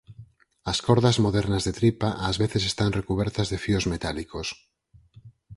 As cordas modernas de tripa ás veces están recubertas de fíos metálicos.